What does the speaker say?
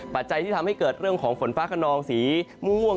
ปัจจัยที่ทำให้เกิดเรื่องของฝนฟ้าขนองสีม่วง